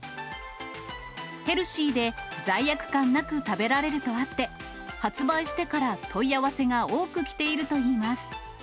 ヘルシーで罪悪感なく食べられるとあって、発売してから問い合わせが多く来ているといいます。